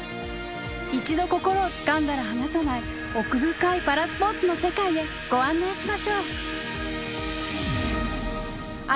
一度心をつかんだら離さない奥深いパラスポーツの世界へご案内しましょう。